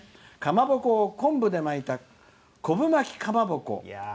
かまぼこを昆布で巻いた昆布巻きかまぼこ」。